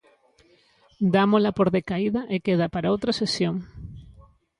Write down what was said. Dámola por decaída e queda para outra sesión.